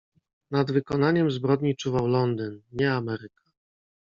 "Nad wykonaniem zbrodni czuwał Londyn, nie Ameryka."